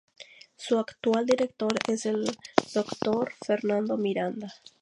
Su actual director es el Dr. Fernando Miranda.